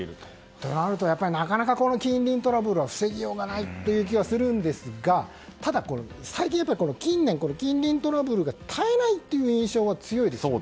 となると、やっぱりこの近隣トラブルというのは防ぎようがないという気はするんですがただ、近年近隣トラブルが絶えないという印象が強いですよね。